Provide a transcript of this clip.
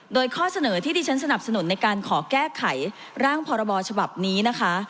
โดยข้อเสนอที่ที่ฉันสนับสนุนในการขอแก้ไขร่างพรบฉบับนี้นะคะ